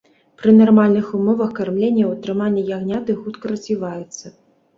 Пры нармальных умовах кармлення і ўтрымання ягняты хутка развіваюцца.